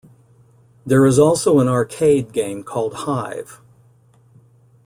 There is also an arcade game called Hive!